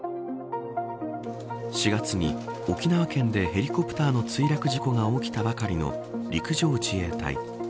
４月に沖縄県でヘリコプターの墜落事故が起きたばかりの陸上自衛隊。